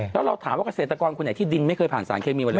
แล้วเราถามว่าเกษตรกรคนไหนที่ดินไม่เคยผ่านสารเคมีไว้เลย